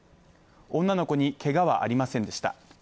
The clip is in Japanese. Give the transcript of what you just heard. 女の子にけがはありませんでした。